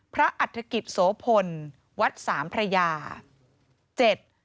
พระอัตภกิตโสพลวัดสามพระยาเจ็ด